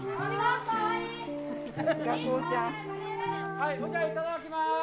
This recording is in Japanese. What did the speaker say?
はいそれじゃいただきます。